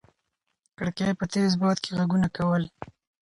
کړکۍ په تېز باد کې غږونه کول.